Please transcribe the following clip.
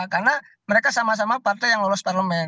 karena mereka sama sama partai yang lolos parlemen